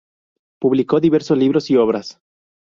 Publicó diversos libros y obras.